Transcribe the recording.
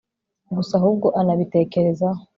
gusa ahubwo anabitekerezaho